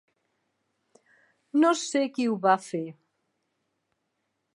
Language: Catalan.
No sé qui ho va fer.